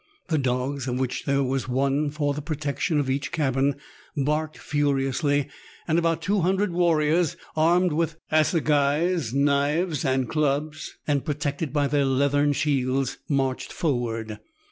The dogs, of which there was one for the protec tion of each cabin, barked furiously, and about 200 warriors, armed with assagais, knives, and clubs, and protected by their leathern shields, marched forward.